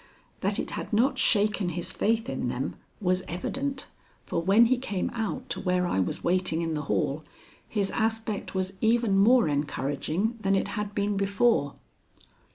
That it had not shaken his faith in them was evident, for when he came out to where I was waiting in the hall his aspect was even more encouraging than it had been before.